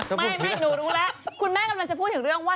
ไม่หนูรู้แล้วคุณแม่กำลังจะพูดถึงเรื่องว่า